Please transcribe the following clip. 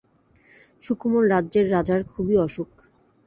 সুকোমল রাজ্যের রাজার খুবই অসুখ।